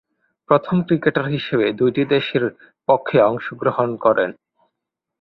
প্রথম ক্রিকেটার হিসেবে দুইটি দেশের পক্ষে অংশগ্রহণ করেন।